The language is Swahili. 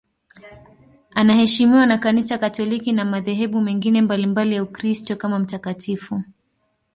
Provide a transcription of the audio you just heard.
Anaheshimiwa na Kanisa Katoliki na madhehebu mengine mbalimbali ya Ukristo kama mtakatifu.